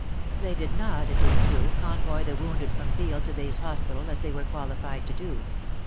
They did not, it is true, convoy the wounded from field to base hospital, as they were qualified to do.